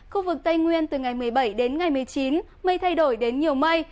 khu vực tây nguyên từ ngày một mươi bảy đến ngày một mươi chín mây thay đổi đến nhiều mây